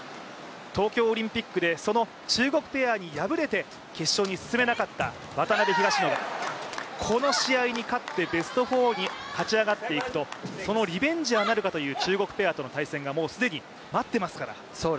東京オリンピックでその中国ペアに敗れて決勝に進めなかった渡辺・東野が、この試合に勝ってベスト４に勝ち上がっていくとそのリベンジはなるかという中国ペアとの対戦がもう待っていますから。